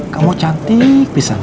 kamu cantik pisangnya